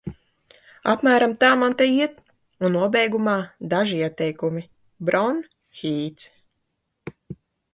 Apmēram tā man te iet, un nobeigumā – daži ieteikumi:Bron-Hīts.